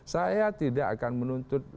saya tidak akan menuntut